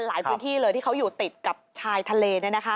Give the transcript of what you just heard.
หลายพื้นที่เลยที่เขาอยู่ติดกับชายทะเล